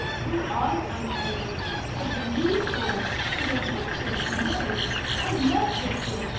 "Nor I, Aunt Ellen. It's unbelievable! And of Richard no. I loved Richard.